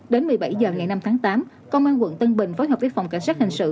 đến một mươi bảy h ngày năm tháng tám công an quận tân bình phối hợp với phòng cảnh sát hình sự